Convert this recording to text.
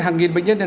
hàng nghìn bệnh nhân